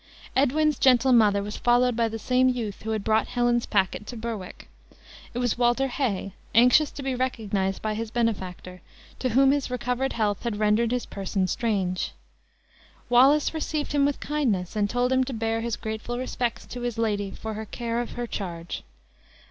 Edwin's gentle mother was followed by the same youth who had brought Helen's packet to Berwick. It was Walter Hay, anxious to be recognized by his benefactor, to whom his recovered health had rendered his person strange. Wallace received him with kindness, and told him to bear his grateful respects to his lady for her care of her charge.